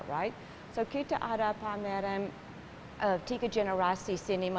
kami membuat pameran perempuan dari tiga generasi